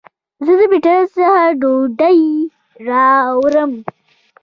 زه د بټاری څخه ډوډي راوړم